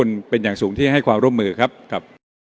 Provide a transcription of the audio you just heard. รักษาคราชนะครับ